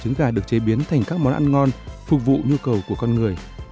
trứng gà được chế biến thành các món ăn ngon phục vụ nhu cầu của con người